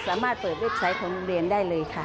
สามารถเปิดเว็บไซต์ของโรงเรียนได้เลยค่ะ